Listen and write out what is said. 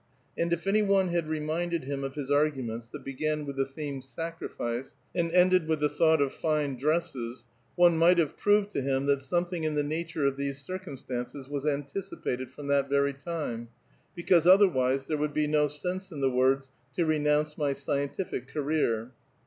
And if any one had reminded him of his arguments that began with the theme ^sacrifice' and ended with the thought of fine dresses, one might have proved to him that something in the nature of these circum stances was anticipated from that very time, because otherwise there would be no sense in the words " to renounce my scien tific career."